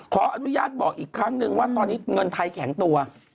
ขออนุญาตบอกอีกครั้งนึงว่าตอนนี้เงินไทยแข็งตัว